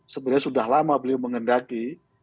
sebenarnya sudah lama beliau mengendaki